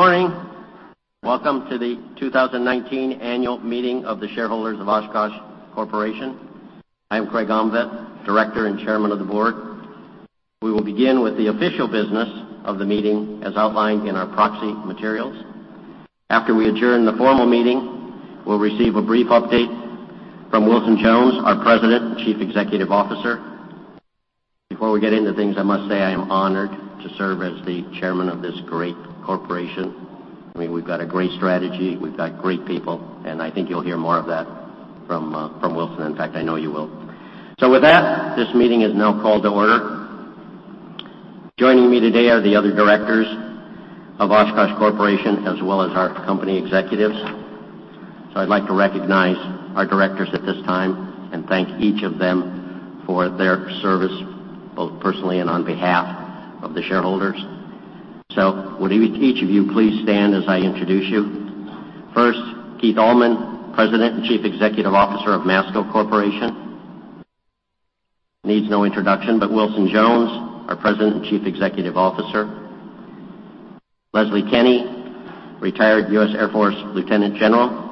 Good morning. Welcome to the 2019 Annual Meeting of the Shareholders of Oshkosh Corporation. I am Craig Omtvedt, Director and Chairman of the Board. We will begin with the official business of the meeting as outlined in our proxy materials. After we adjourn the formal meeting, we'll receive a brief update from Wilson Jones, our President and Chief Executive Officer. Before we get into things, I must say I am honored to serve as the Chairman of this great corporation. I mean, we've got a great strategy, we've got great people, and I think you'll hear more of that from Wilson. In fact, I know you will. So with that, this meeting is now called to order. Joining me today are the other directors of Oshkosh Corporation as well as our company executives. So I'd like to recognize our directors at this time and thank each of them for their service, both personally and on behalf of the shareholders. So would each of you please stand as I introduce you? First, Keith Allman, President and Chief Executive Officer of Masco Corporation. Needs no introduction, but Wilson Jones, our President and Chief Executive Officer. Leslie Kenne, retired U.S. Air Force Lieutenant General.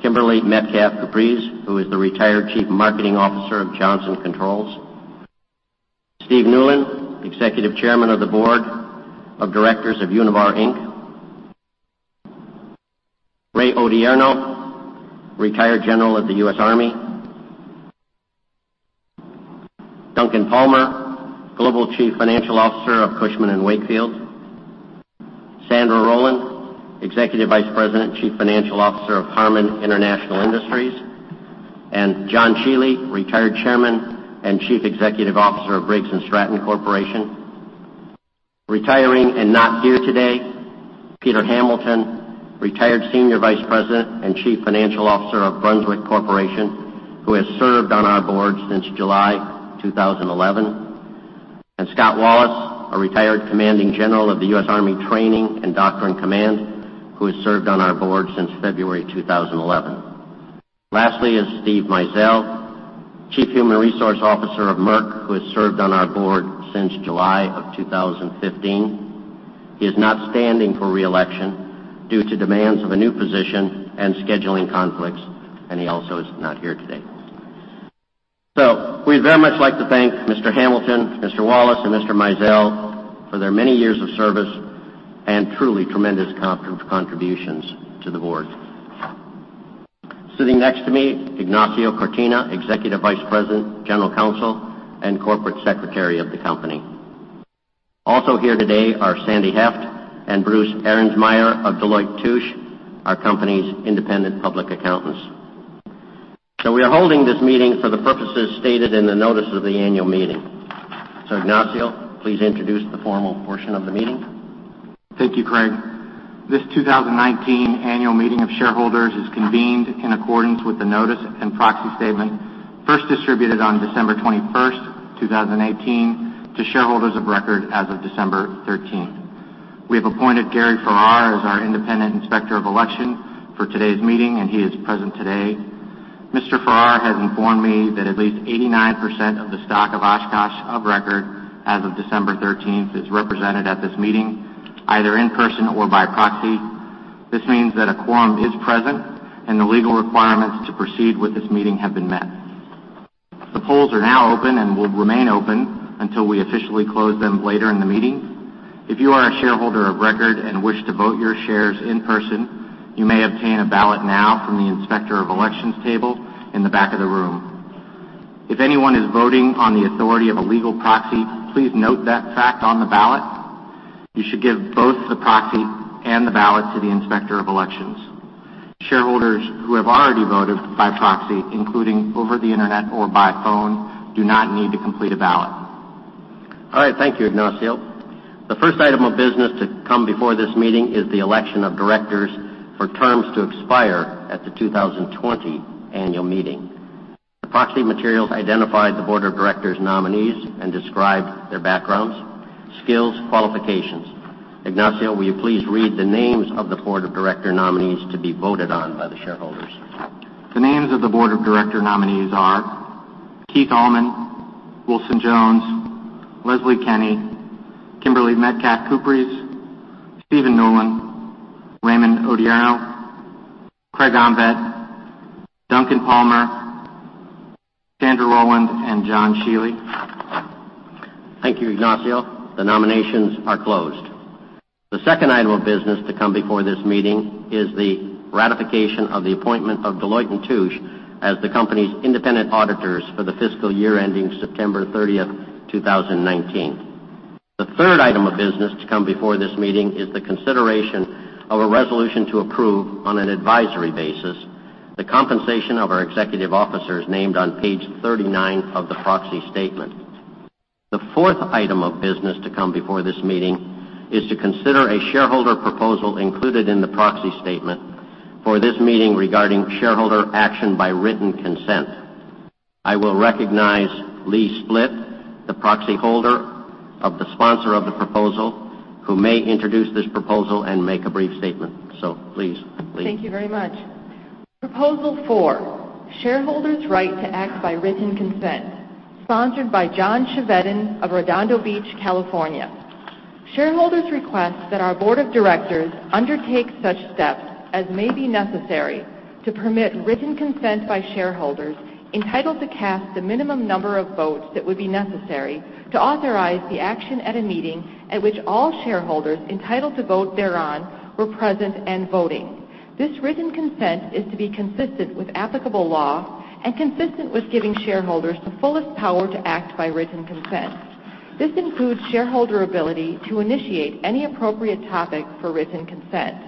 Kimberly Metcalf-Kupres, who is the retired Chief Marketing Officer of Johnson Controls. Stephen Newlin, Executive Chairman of the Board of Directors of Univar Inc. Raymond Odierno, Retired General of the U.S. Army. Duncan Palmer, Global Chief Financial Officer of Cushman & Wakefield. Sandra Rowland, Executive Vice President and Chief Financial Officer of Harman International Industries. And John Shiely, Retired Chairman and Chief Executive Officer of Briggs & Stratton Corporation. Retiring and not here today, Peter Hamilton, Retired Senior Vice President and Chief Financial Officer of Brunswick Corporation, who has served on our board since July 2011. Scott Wallace, a Retired Commanding General of the U.S. Army Training and Doctrine Command, who has served on our board since February 2011. Lastly is Steven Mizell, Chief Human Resource Officer of Merck, who has served on our board since July of 2015. He is not standing for reelection due to demands of a new position and scheduling conflicts, and he also is not here today. So we'd very much like to thank Mr. Hamilton, Mr. Wallace, and Mr. Mizell for their many years of service and truly tremendous contributions to the board. Sitting next to me, Ignacio Cortina, Executive Vice President, General Counsel, and Corporate Secretary of the company. Also here today are Sandy Heft and Bruce Arensmeier of Deloitte & Touche, our company's independent public accountants. We are holding this meeting for the purposes stated in the notice of the annual meeting. Ignacio, please introduce the formal portion of the meeting. Thank you, Craig. This 2019 Annual Meeting of Shareholders is convened in accordance with the notice and proxy statement first distributed on December 21st, 2018, to shareholders of record as of December 13th. We have appointed Gary Farrar as our Independent Inspector of Election for today's meeting, and he is present today. Mr. Farrar has informed me that at least 89% of the stock of Oshkosh of record as of December 13th is represented at this meeting either in person or by proxy. This means that a quorum is present and the legal requirements to proceed with this meeting have been met. The polls are now open and will remain open until we officially close them later in the meeting. If you are a shareholder of record and wish to vote your shares in person, you may obtain a ballot now from the Inspector of Elections table in the back of the room. If anyone is voting on the authority of a legal proxy, please note that fact on the ballot. You should give both the proxy and the ballot to the Inspector of Elections. Shareholders who have already voted by proxy, including over the internet or by phone, do not need to complete a ballot. All right, thank you, Ignacio. The first item of business to come before this meeting is the election of directors for terms to expire at the 2020 Annual Meeting. The proxy materials identified the Board of Directors nominees and described their backgrounds, skills, qualifications. Ignacio, will you please read the names of the Board of Directors nominees to be voted on by the shareholders? The names of the Board of Directors nominees are Keith Allman, Wilson Jones, Leslie Kenne, Kimberly Metcalf-Kupres, Stephen Newlin, Raymond Odierno, Craig Omtvedt, Duncan Palmer, Sandra Rowland, and John Shiely. Thank you, Ignacio. The nominations are closed. The second item of business to come before this meeting is the ratification of the appointment of Deloitte and Touche as the company's independent auditors for the fiscal year ending September 30th, 2019. The third item of business to come before this meeting is the consideration of a resolution to approve on an advisory basis the compensation of our executive officers named on page 39 of the proxy statement. The fourth item of business to come before this meeting is to consider a shareholder proposal included in the proxy statement for this meeting regarding shareholder action by written consent. I will recognize Lee Splitt, the proxy holder of the sponsor of the proposal, who may introduce this proposal and make a brief statement. So please, Lee. Thank you very much. Proposal four, Shareholders' Right to Act by Written Consent, sponsored by John Chevedden of Redondo Beach, California. Shareholders request that our Board of Directors undertake such steps as may be necessary to permit written consent by shareholders entitled to cast the minimum number of votes that would be necessary to authorize the action at a meeting at which all shareholders entitled to vote thereon were present and voting. This written consent is to be consistent with applicable law and consistent with giving shareholders the fullest power to act by written consent. This includes shareholder ability to initiate any appropriate topic for written consent.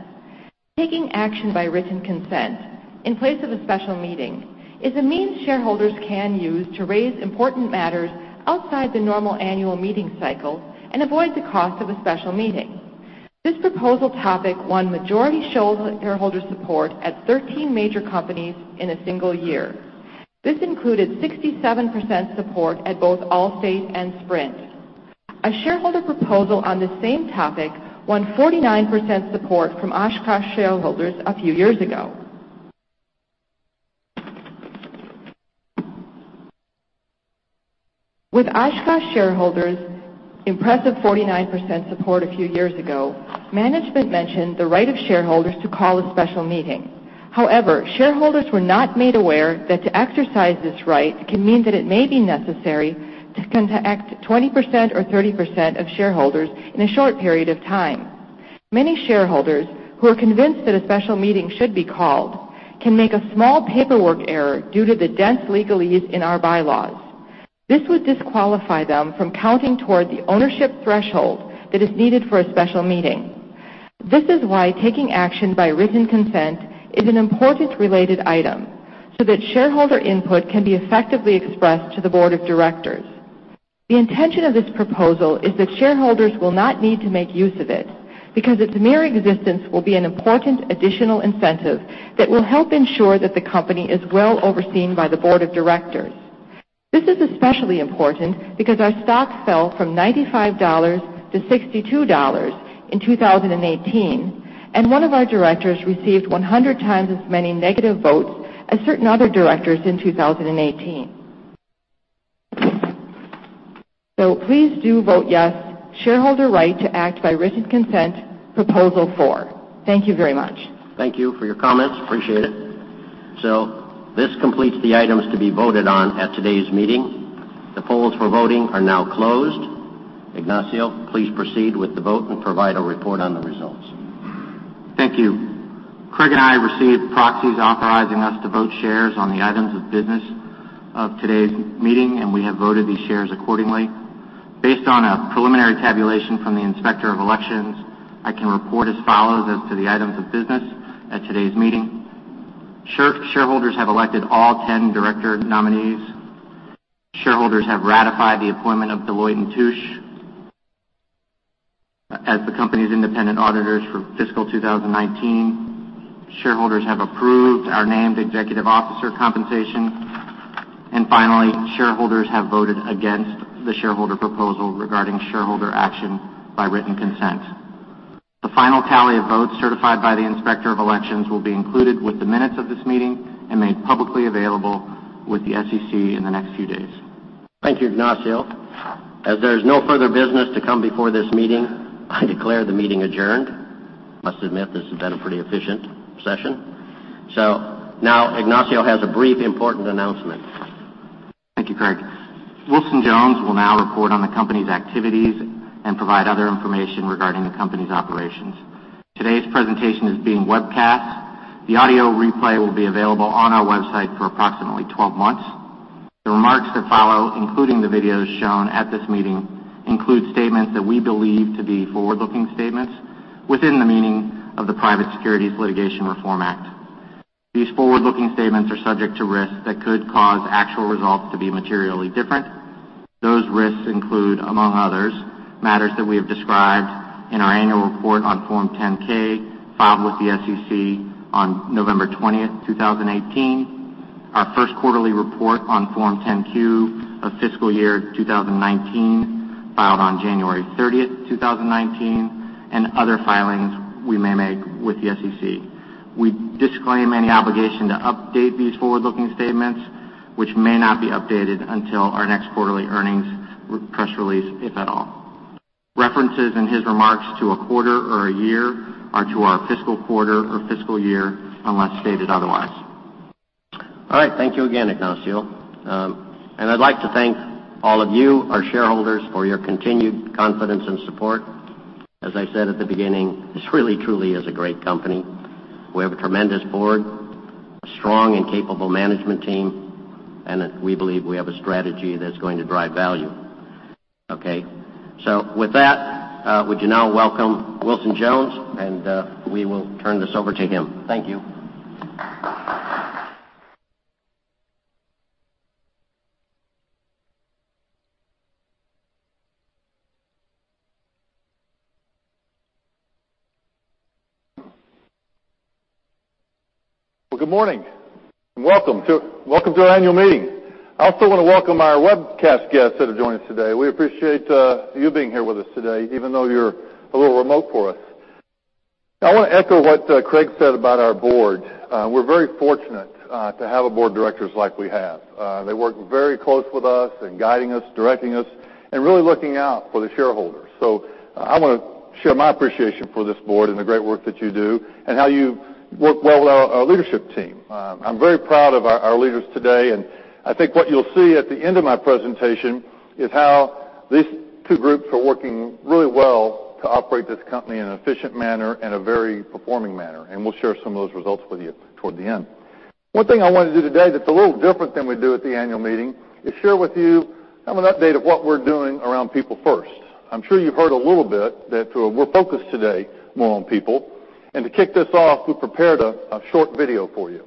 Taking action by written consent in place of a special meeting is a means shareholders can use to raise important matters outside the normal annual meeting cycle and avoid the cost of a special meeting. This proposal topic won majority shareholder support at 13 major companies in a single year. This included 67% support at both Allstate and Sprint. A shareholder proposal on the same topic won 49% support from Oshkosh shareholders a few years ago. With Oshkosh shareholders' impressive 49% support a few years ago, management mentioned the right of shareholders to call a special meeting. However, shareholders were not made aware that to exercise this right can mean that it may be necessary to contact 20% or 30% of shareholders in a short period of time. Many shareholders who are convinced that a special meeting should be called can make a small paperwork error due to the dense legalese in our bylaws. This would disqualify them from counting toward the ownership threshold that is needed for a special meeting. This is why taking action by written consent is an important related item so that shareholder input can be effectively expressed to the Board of Directors. The intention of this proposal is that shareholders will not need to make use of it because its mere existence will be an important additional incentive that will help ensure that the company is well overseen by the Board of Directors. This is especially important because our stock fell from $95 to $62 in 2018, and one of our directors received 100 times as many negative votes as certain other directors in 2018. So please do vote yes, shareholder right to act by written consent, proposal four. Thank you very much. Thank you for your comments. Appreciate it. This completes the items to be voted on at today's meeting. The polls for voting are now closed. Ignacio, please proceed with the vote and provide a report on the results. Thank you. Craig and I received proxies authorizing us to vote shares on the items of business of today's meeting, and we have voted these shares accordingly. Based on a preliminary tabulation from the Inspector of Elections, I can report as follows as to the items of business at today's meeting. Shareholders have elected all 10 director nominees. Shareholders have ratified the appointment of Deloitte & Touche as the company's independent auditors for fiscal 2019. Shareholders have approved our named executive officer compensation. And finally, shareholders have voted against the shareholder proposal regarding shareholder action by written consent. The final tally of votes certified by the Inspector of Elections will be included with the minutes of this meeting and made publicly available with the SEC in the next few days. Thank you, Ignacio. As there is no further business to come before this meeting, I declare the meeting adjourned. I must admit this has been a pretty efficient session. So now Ignacio has a brief important announcement. Thank you, Craig. Wilson Jones will now report on the company's activities and provide other information regarding the company's operations. Today's presentation is being webcast. The audio replay will be available on our website for approximately 12 months. The remarks that follow, including the videos shown at this meeting, include statements that we believe to be forward-looking statements within the meaning of the Private Securities Litigation Reform Act. These forward-looking statements are subject to risks that could cause actual results to be materially different. Those risks include, among others, matters that we have described in our annual report on Form 10-K filed with the SEC on November 20th, 2018, our Q1 report on Form 10-Q of fiscal year 2019 filed on January 30th, 2019, and other filings we may make with the SEC. We disclaim any obligation to update these forward-looking statements, which may not be updated until our next quarterly earnings press release, if at all. References in his remarks to a quarter or a year are to our fiscal quarter or fiscal year unless stated otherwise. All right, thank you again, Ignacio. I'd like to thank all of you, our shareholders, for your continued confidence and support. As I said at the beginning, this really, truly is a great company. We have a tremendous board, a strong and capable management team, and we believe we have a strategy that's going to drive value. Okay, so with that, would you now welcome Wilson Jones, and we will turn this over to him. Thank you. Well, good morning and welcome to our annual meeting. I also want to welcome our webcast guests that have joined us today. We appreciate you being here with us today, even though you're a little remote for us. I want to echo what Craig said about our board. We're very fortunate to have a board of directors like we have. They work very close with us and guiding us, directing us, and really looking out for the shareholders. So I want to share my appreciation for this board and the great work that you do and how you work well with our leadership team. I'm very proud of our leaders today, and I think what you'll see at the end of my presentation is how these two groups are working really well to operate this company in an efficient manner and a very performing manner. We'll share some of those results with you toward the end. One thing I want to do today that's a little different than we do at the annual meeting is share with you an update of what we're doing around People First. I'm sure you've heard a little bit that we're focused today more on people. To kick this off, we prepared a short video for you.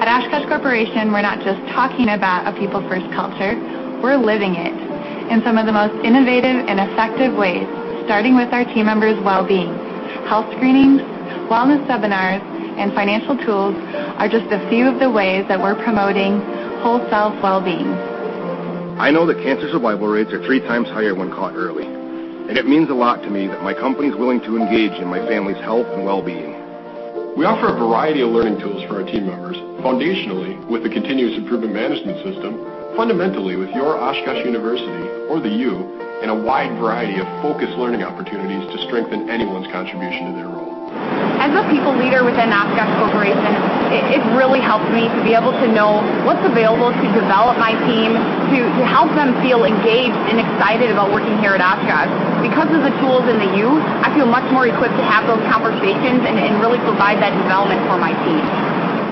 At Oshkosh Corporation, we're not just talking about a people-first culture. We're living it in some of the most innovative and effective ways, starting with our team members' well-being. Health screenings, wellness seminars, and financial tools are just a few of the ways that we're promoting wholesale well-being. I know that cancer survival rates are three times higher when caught early, and it means a lot to me that my company is willing to engage in my family's health and well-being. We offer a variety of learning tools for our team members, foundationally with the Continuous Improvement Management System, fundamentally with your Oshkosh University or the U, and a wide variety of focused learning opportunities to strengthen anyone's contribution to their role. As a people leader within Oshkosh Corporation, it really helps me to be able to know what's available to develop my team, to help them feel engaged and excited about working here at Oshkosh. Because of the tools in the U, I feel much more equipped to have those conversations and really provide that development for my team.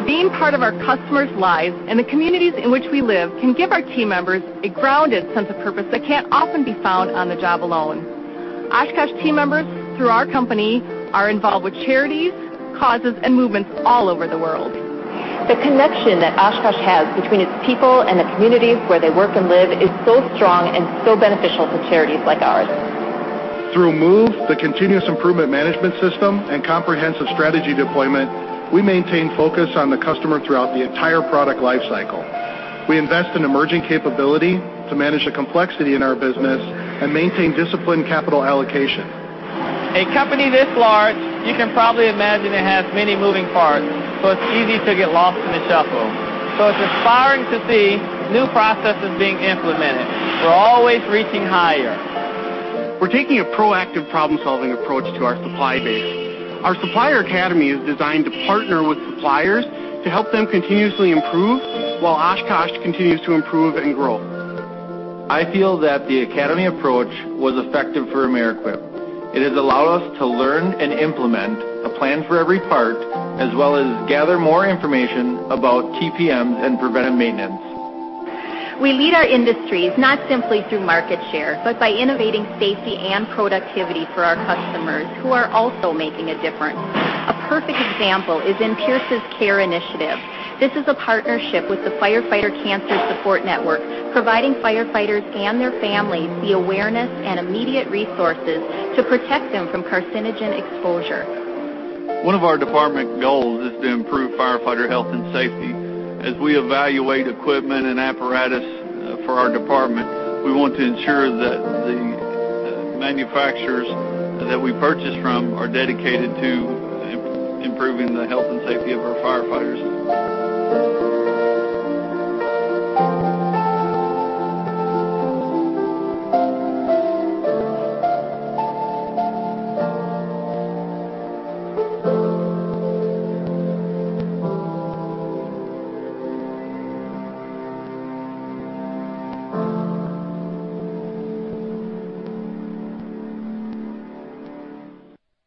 Being part of our customers' lives and the communities in which we live can give our team members a grounded sense of purpose that can't often be found on the job alone. Oshkosh team members through our company are involved with charities, causes, and movements all over the world. The connection that Oshkosh has between its people and the communities where they work and live is so strong and so beneficial to charities like ours. Through MOVE, the continuous improvement management system and comprehensive strategy deployment, we maintain focus on the customer throughout the entire product lifecycle. We invest in emerging capability to manage the complexity in our business and maintain disciplined capital allocation. A company this large, you can probably imagine it has many moving parts, so it's easy to get lost in the shuffle. So it's inspiring to see new processes being implemented. We're always reaching higher. We're taking a proactive problem-solving approach to our supply base. Our Supplier Academy is designed to partner with suppliers to help them continuously improve while Oshkosh continues to improve and grow. I feel that the Academy approach was effective for Amerequip. It has allowed us to learn and implement a plan for every part, as well as gather more information about TPMs and preventive maintenance. We lead our industries not simply through market share, but by innovating safety and productivity for our customers who are also making a difference. A perfect example is in Pierce's CARE Initiative. This is a partnership with the Firefighter Cancer Support Network, providing firefighters and their families the awareness and immediate resources to protect them from carcinogen exposure. One of our department goals is to improve firefighter health and safety. As we evaluate equipment and apparatus for our department, we want to ensure that the manufacturers that we purchase from are dedicated to improving the health and safety of our firefighters.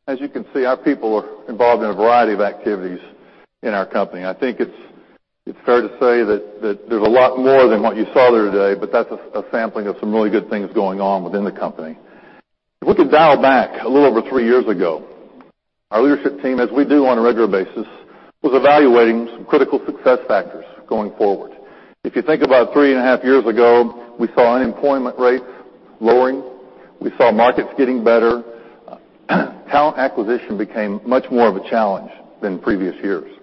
As you can see, our people are involved in a variety of activities in our company. I think it's fair to say that there's a lot more than what you saw there today, but that's a sampling of some really good things going on within the company. If we could dial back a little over 3 years ago, our leadership team, as we do on a regular basis, was evaluating some critical success factors going forward. If you think about 3.5 years ago, we saw unemployment rates lowering. We saw markets getting better. Talent acquisition became much more of a challenge than previous years.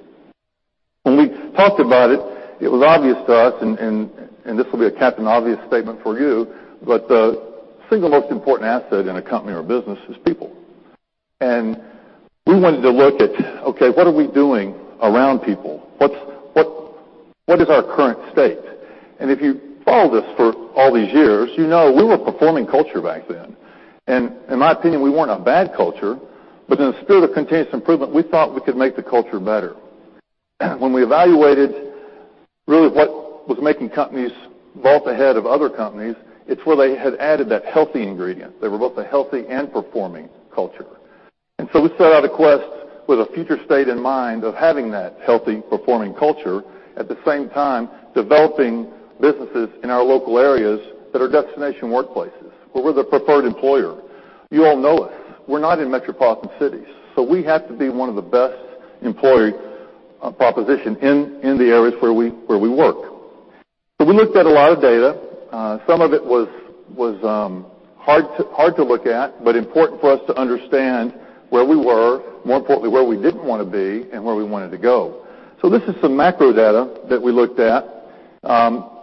When we talked about it, it was obvious to us, and this will be a Captain Obvious statement for you, but the single most important asset in a company or business is people. We wanted to look at, okay, what are we doing around people? What is our current state? If you followed us for all these years, you know we were performing culture back then. In my opinion, we weren't a bad culture, but in the spirit of continuous improvement, we thought we could make the culture better. When we evaluated really what was making companies vault ahead of other companies, it's where they had added that healthy ingredient. They were both a healthy and performing culture. So we set out a quest with a future state in mind of having that healthy, performing culture at the same time developing businesses in our local areas that are destination workplaces, where we're the preferred employer. You all know us. We're not in metropolitan cities, so we have to be one of the best employer propositions in the areas where we work. We looked at a lot of data. Some of it was hard to look at, but important for us to understand where we were, more importantly where we didn't want to be, and where we wanted to go. This is some macro data that we looked at.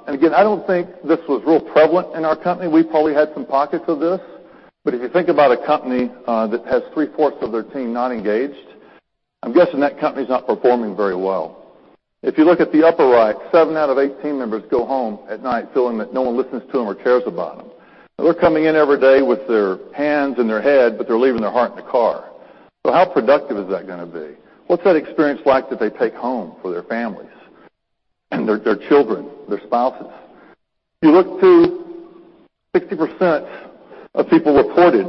Again, I don't think this was real prevalent in our company. We probably had some pockets of this, but if you think about a company that has three-fourths of their team not engaged, I'm guessing that company is not performing very well. If you look at the upper right, seven out of eight team members go home at night feeling that no one listens to them or cares about them. They're coming in every day with their hands and their head, but they're leaving their heart in the car. So how productive is that going to be? What's that experience like that they take home for their families and their children, their spouses? You look to 60% of people reported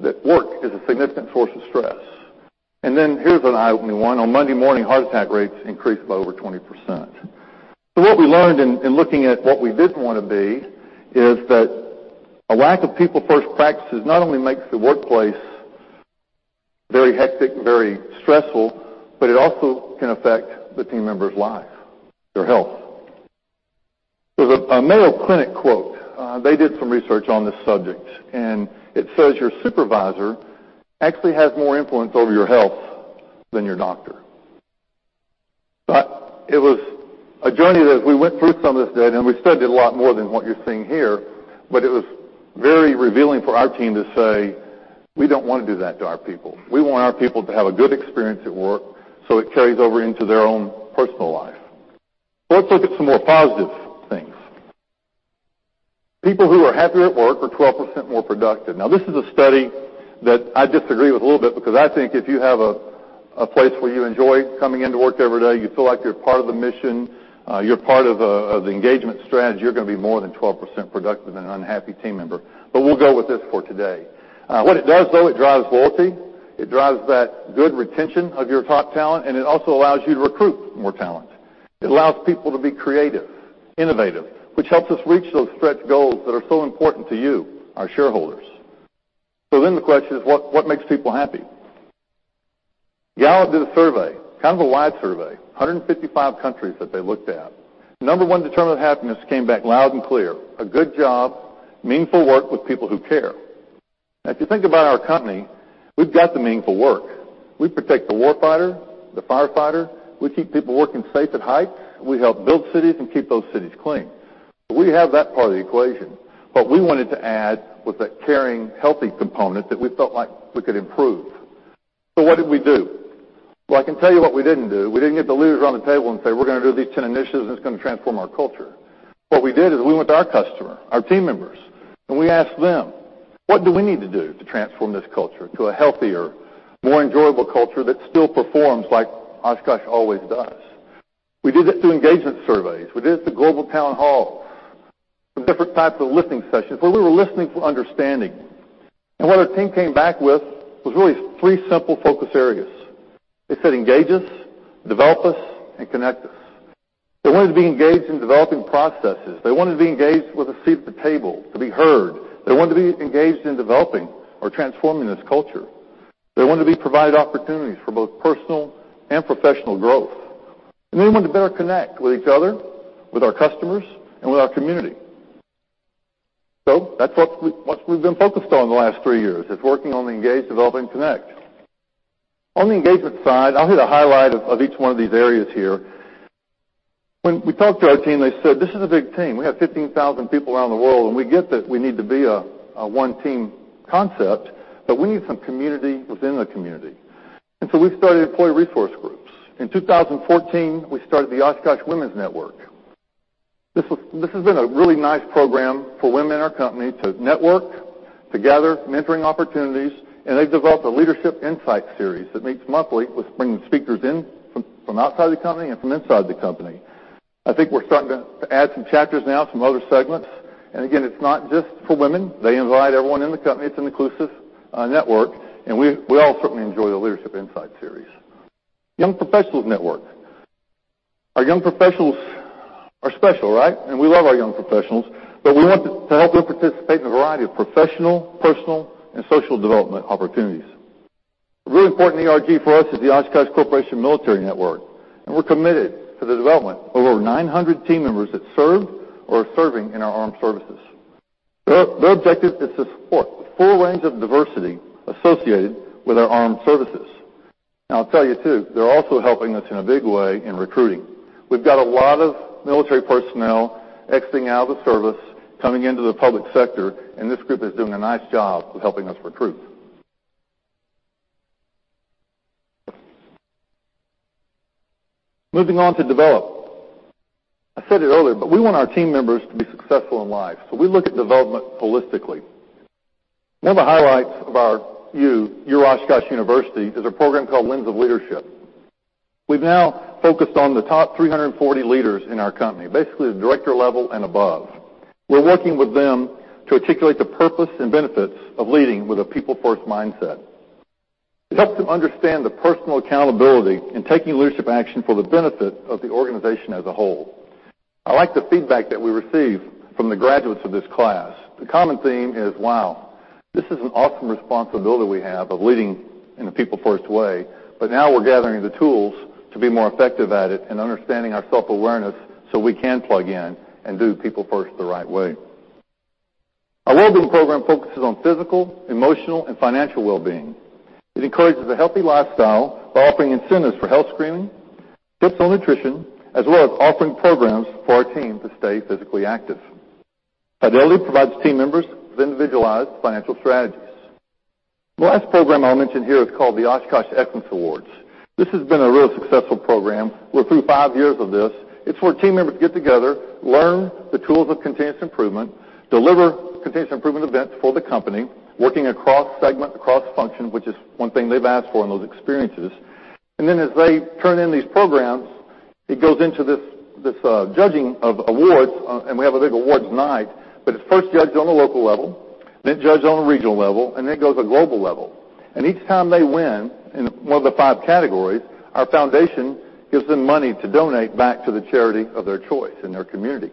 that work is a significant source of stress. And then here's an eye-opening one. On Monday morning, heart attack rates increased by over 20%. So what we learned in looking at what we didn't want to be is that a lack of people-first practices not only makes the workplace very hectic, very stressful, but it also can affect the team members' lives, their health. There's a Mayo Clinic quote. They did some research on this subject, and it says your supervisor actually has more influence over your health than your doctor. But it was a journey that we went through some of this data, and we studied a lot more than what you're seeing here, but it was very revealing for our team to say, "We don't want to do that to our people. We want our people to have a good experience at work so it carries over into their own personal life." Let's look at some more positive things. People who are happier at work are 12% more productive. Now, this is a study that I disagree with a little bit because I think if you have a place where you enjoy coming into work every day, you feel like you're part of the mission, you're part of the engagement strategy, you're going to be more than 12% productive than an unhappy team member. But we'll go with this for today. What it does, though, it drives loyalty. It drives that good retention of your top talent, and it also allows you to recruit more talent. It allows people to be creative, innovative, which helps us reach those stretch goals that are so important to you, our shareholders. So then the question is, what makes people happy? Gallup did a survey, kind of a wide survey, 155 countries that they looked at. Number one determinant of happiness came back loud and clear, a good job, meaningful work with people who care. Now, if you think about our company, we've got the meaningful work. We protect the warfighter, the firefighter. We keep people working safe at heights. We help build cities and keep those cities clean. So we have that part of the equation. But we wanted to add with that caring, healthy component that we felt like we could improve. So what did we do? Well, I can tell you what we didn't do. We didn't get the leaders around the table and say, "We're going to do these 10 initiatives, and it's going to transform our culture." What we did is we went to our customer, our team members, and we asked them, "What do we need to do to transform this culture to a healthier, more enjoyable culture that still performs like Oshkosh always does?" We did it through engagement surveys. We did it through global town halls, different types of listening sessions where we were listening for understanding. And what our team came back with was really three simple focus areas. They said, "Engage us, develop us, and connect us." They wanted to be engaged in developing processes. They wanted to be engaged with a seat at the table to be heard. They wanted to be engaged in developing or transforming this culture. They wanted to be provided opportunities for both personal and professional growth. And they wanted to better connect with each other, with our customers, and with our community. So that's what we've been focused on the last three years, is working on the engage, develop, and connect. On the engagement side, I'll hit a highlight of each one of these areas here. When we talked to our team, they said, "This is a big team. We have 15,000 people around the world, and we get that we need to be a one-team concept, but we need some community within the community." And so we started employee resource groups. In 2014, we started the Oshkosh Women's Network. This has been a really nice program for women in our company to network, to gather mentoring opportunities, and they've developed a leadership insight series that meets monthly with bringing speakers in from outside the company and from inside the company. I think we're starting to add some chapters now, some other segments. Again, it's not just for women. They invite everyone in the company. It's an inclusive network, and we all certainly enjoy the leadership insight series. Young Professionals Network. Our young professionals are special, right? We love our young professionals, but we want to help them participate in a variety of professional, personal, and social development opportunities. A really important ERG for us is the Oshkosh Corporation Military Network, and we're committed to the development of over 900 team members that serve or are serving in our armed services. Their objective is to support the full range of diversity associated with our armed services. Now, I'll tell you too, they're also helping us in a big way in recruiting. We've got a lot of military personnel exiting out of the service, coming into the public sector, and this group is doing a nice job of helping us recruit. Moving on to develop. I said it earlier, but we want our team members to be successful in life, so we look at development holistically. One of the highlights of our U, U Oshkosh University, is a program called Lens of Leadership. We've now focused on the top 340 leaders in our company, basically the director level and above. We're working with them to articulate the purpose and benefits of leading with a people-first mindset. It helps them understand the personal accountability in taking leadership action for the benefit of the organization as a whole. I like the feedback that we receive from the graduates of this class. The common theme is, "Wow, this is an awesome responsibility we have of leading in a people-first way, but now we're gathering the tools to be more effective at it and understanding our self-awareness so we can plug in and do people-first the right way." Our well-being program focuses on physical, emotional, and financial well-being. It encourages a healthy lifestyle by offering incentives for health screening, tips on nutrition, as well as offering programs for our team to stay physically active. Fidelity provides team members with individualized financial strategies. The last program I'll mention here is called the Oshkosh Excellence Awards. This has been a real successful program. We're through 5 years of this. It's where team members get together, learn the tools of continuous improvement, deliver continuous improvement events for the company, working across segment, across function, which is one thing they've asked for in those experiences. And then as they turn in these programs, it goes into this judging of awards, and we have a big awards night, but it's first judged on the local level, then it's judged on a regional level, and then it goes to a global level. And each time they win in one of the five categories, our foundation gives them money to donate back to the charity of their choice in their community.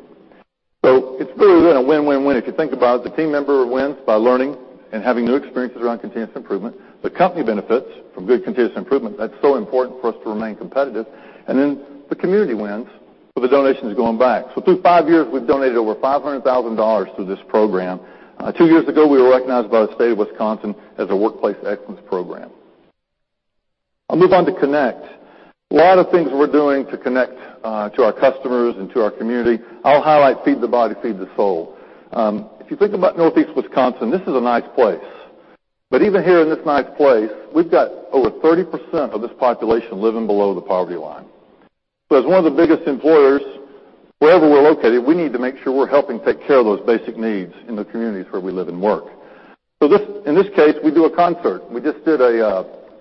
So it's really been a win-win-win. If you think about it, the team member wins by learning and having new experiences around continuous improvement. The company benefits from good continuous improvement. That's so important for us to remain competitive. Then the community wins with the donations going back. So through five years, we've donated over $500,000 to this program. Two years ago, we were recognized by the state of Wisconsin as a workplace of excellence. I'll move on to connect. A lot of things we're doing to connect to our customers and to our community. I'll highlight Feed the Body, Feed the Soul. If you think about Northeast Wisconsin, this is a nice place. But even here in this nice place, we've got over 30% of this population living below the poverty line. So as one of the biggest employers, wherever we're located, we need to make sure we're helping take care of those basic needs in the communities where we live and work. So in this case, we do a concert. We just did a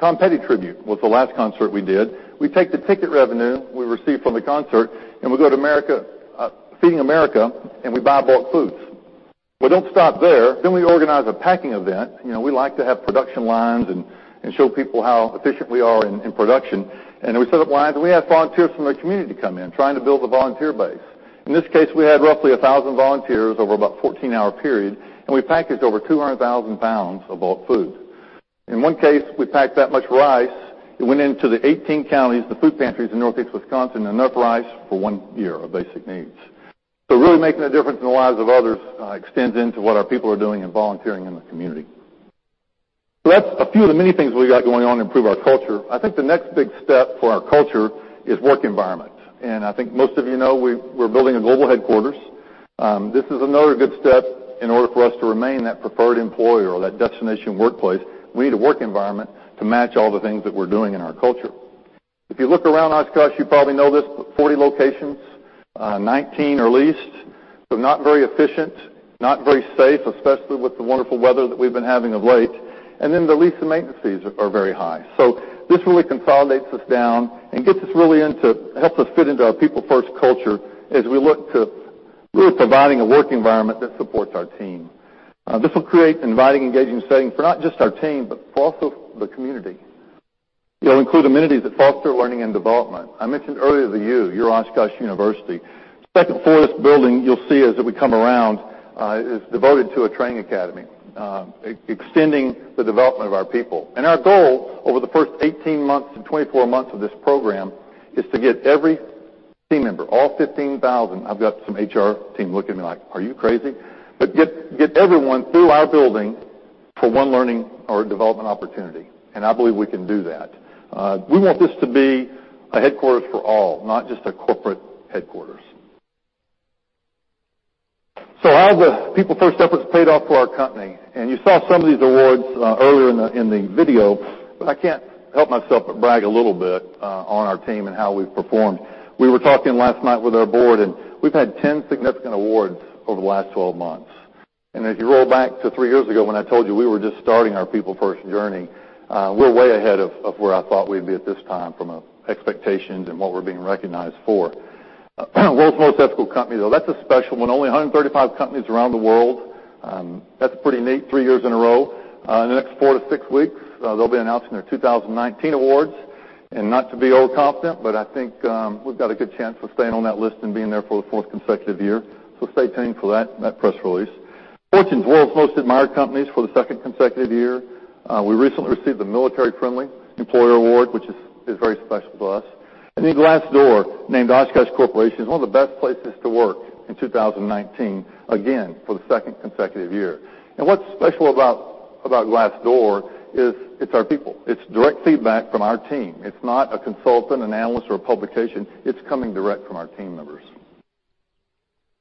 Tom Petty Tribute. It was the last concert we did. We take the ticket revenue we received from the concert, and we go to Feeding America, and we buy bulk foods. We don't stop there. Then we organize a packing event. We like to have production lines and show people how efficient we are in production. And we set up lines, and we had volunteers from the community come in, trying to build the volunteer base. In this case, we had roughly 1,000 volunteers over about a 14-hour period, and we packaged over 200,000 pounds of bulk food. In one case, we packed that much rice. It went into the 18 counties, the food pantries in Northeast Wisconsin, enough rice for one year of basic needs. So really making a difference in the lives of others extends into what our people are doing and volunteering in the community. So that's a few of the many things we've got going on to improve our culture. I think the next big step for our culture is work environment. I think most of you know we're building a global headquarters. This is another good step in order for us to remain that preferred employer or that destination workplace. We need a work environment to match all the things that we're doing in our culture. If you look around Oshkosh, you probably know this, but 40 locations, 19 leased, so not very efficient, not very safe, especially with the wonderful weather that we've been having of late. And then the lease and maintenance fees are very high. So this really consolidates us down and gets us really into helps us fit into our People First culture as we look to really providing a work environment that supports our team. This will create an inviting, engaging setting for not just our team, but also the community. It'll include amenities that foster learning and development. I mentioned earlier the U, Oshkosh University. The second floor building you'll see as we come around is devoted to a training academy, extending the development of our people. Our goal over the first 18 months to 24 months of this program is to get every team member, all 15,000. I've got some HR team looking at me like, "Are you crazy?" But get everyone through our building for one learning or development opportunity. I believe we can do that. We want this to be a headquarters for all, not just a corporate headquarters. How have the People First efforts paid off for our company? And you saw some of these awards earlier in the video, but I can't help myself but brag a little bit on our team and how we've performed. We were talking last night with our board, and we've had 10 significant awards over the last 12 months. And as you roll back to three years ago when I told you we were just starting our People First journey, we're way ahead of where I thought we'd be at this time from expectations and what we're being recognized for. World's most ethical company, though. That's a special one. Only 135 companies around the world. That's pretty neat, three years in a row. In the next four to six weeks, they'll be announcing their 2019 awards. And not to be overconfident, but I think we've got a good chance of staying on that list and being there for the fourth consecutive year. So stay tuned for that press release. Fortune's World's Most Admired Companies for the second consecutive year. We recently received the Military Friendly Employer Award, which is very special to us. And then Glassdoor named Oshkosh Corporation as one of the best places to work in 2019, again, for the second consecutive year. And what's special about Glassdoor is it's our people. It's direct feedback from our team. It's not a consultant, an analyst, or a publication. It's coming direct from our team members.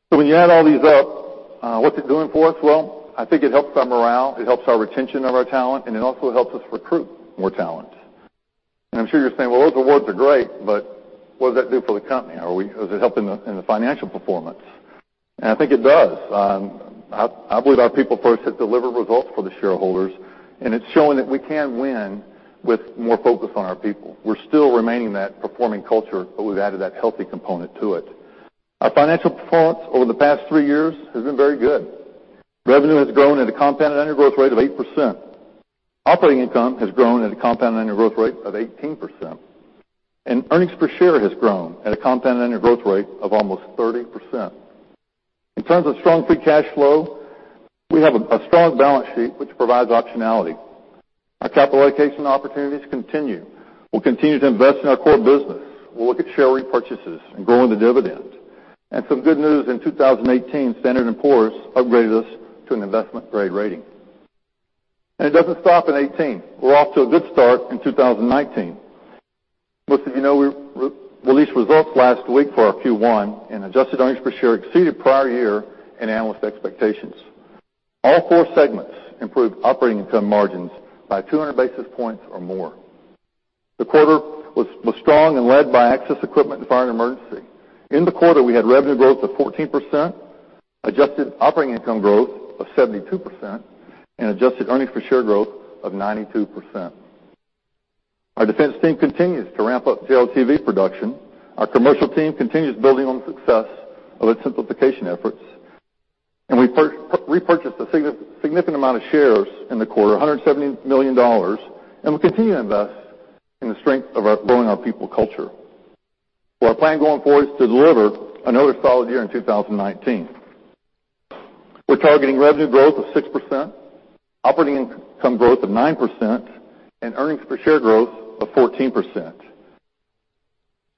So when you add all these up, what's it doing for us? Well, I think it helps our morale. It helps our retention of our talent, and it also helps us recruit more talent. And I'm sure you're saying, "Well, those awards are great, but what does that do for the company? Or is it helping in the financial performance?" And I think it does. I believe our people-first has delivered results for the shareholders, and it's showing that we can win with more focus on our people. We're still remaining that performing culture, but we've added that healthy component to it. Our financial performance over the past three years has been very good. Revenue has grown at a compounded annual growth rate of 8%. Operating income has grown at a compounded annual growth rate of 18%. And earnings per share has grown at a compounded annual growth rate of almost 30%. In terms of strong free cash flow, we have a strong balance sheet, which provides optionality. Our capital allocation opportunities continue. We'll continue to invest in our core business. We'll look at share repurchases and growing the dividend. Some good news. In 2018, Standard & Poor's upgraded us to an investment-grade rating. It doesn't stop in 2018. We're off to a good start in 2019. Most of you know we released results last week for our Q1, and adjusted earnings per share exceeded prior year and analyst expectations. All four segments improved operating income margins by 200 basis points or more. The quarter was strong and led by access equipment and fire and emergency. In the quarter, we had revenue growth of 14%, adjusted operating income growth of 72%, and adjusted earnings per share growth of 92%. Our defense team continues to ramp up JLTV production. Our commercial team continues building on the success of its simplification efforts. We repurchased a significant amount of shares in the quarter, $170 million, and we continue to invest in the strength of our growing our people culture. Our plan going forward is to deliver another solid year in 2019. We're targeting revenue growth of 6%, operating income growth of 9%, and earnings per share growth of 14%.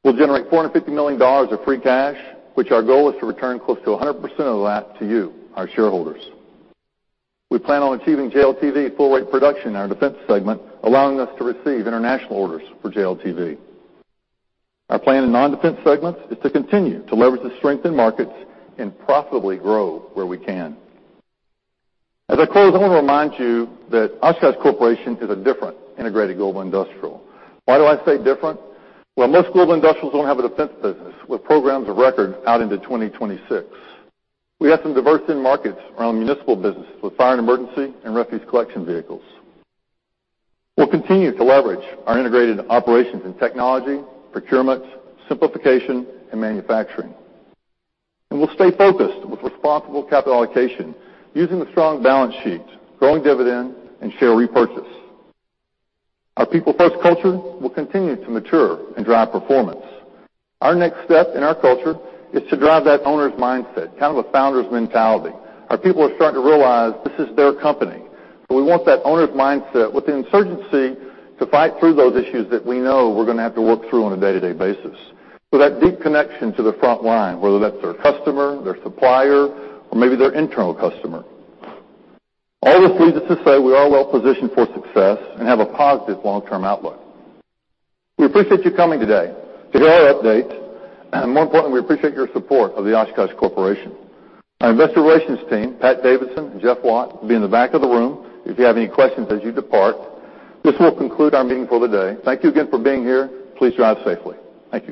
We'll generate $450 million of free cash, which our goal is to return close to 100% of that to you, our shareholders. We plan on achieving JLTV full-rate production in our defense segment, allowing us to receive international orders for JLTV. Our plan in non-defense segments is to continue to leverage the strength in markets and profitably grow where we can. As I close, I want to remind you that Oshkosh Corporation is a different integrated global industrial. Why do I say different? Well, most global industrials don't have a defense business with programs of record out into 2026. We have some diverse in markets around municipal businesses with fire and emergency and refuse collection vehicles. We'll continue to leverage our integrated operations in technology, procurement, simplification, and manufacturing. We'll stay focused with responsible capital allocation using the strong balance sheet, growing dividend, and share repurchase. Our People First culture will continue to mature and drive performance. Our next step in our culture is to drive that owner's mindset, kind of a founder's mentality. Our people are starting to realize this is their company. So we want that owner's mindset with the insurgency to fight through those issues that we know we're going to have to work through on a day-to-day basis. So that deep connection to the front line, whether that's their customer, their supplier, or maybe their internal customer. All this leads us to say we are well-positioned for success and have a positive long-term outlook. We appreciate you coming today to hear our update. And more importantly, we appreciate your support of the Oshkosh Corporation. Our investor relations team, Pat Davidson and Jeff Watt, will be in the back of the room if you have any questions as you depart. This will conclude our meeting for the day. Thank you again for being here. Please drive safely. Thank you.